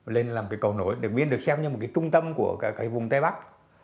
lên làm cầu nổi điện biên được xem như một trung tâm của vùng tây bắc